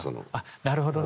なるほどね。